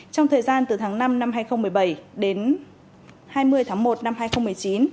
trong thời gian từ tháng năm năm hai nghìn một mươi bảy đến hai mươi tháng một năm hai nghìn một mươi chín